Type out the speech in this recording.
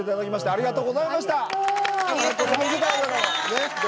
ありがとうございます。